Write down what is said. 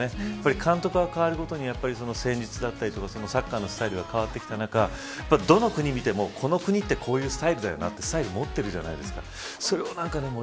監督が変わるごとに戦術だったりサッカーのスタイルが変わってきた中でどの国を見てもこの国はこういうスタイルだなというものを持っているじゃないですか。